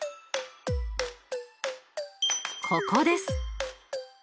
ここです。